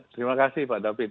terima kasih pak david